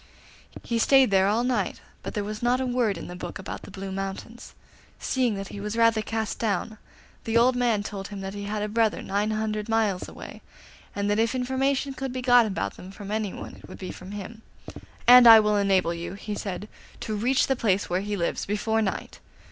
He stayed there all night, but there was not a word in the book about the Blue Mountains. Seeing that he was rather cast down, the old man told him that he had a brother nine hundred miles away, and that if information could be got about them from anyone it would be from him; 'and I will enable you,' he said, 'to reach the place where he lives before night.